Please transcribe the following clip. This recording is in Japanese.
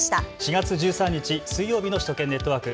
４月１３日水曜日の首都圏ネットワーク。